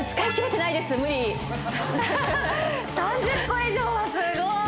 ３０個以上はすごい！